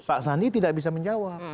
pak sandi tidak bisa menjawab